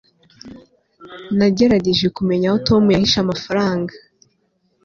nagerageje kumenya aho tom yahishe amafaranga